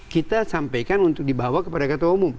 kita sampaikan untuk dibawa kepada ketua umum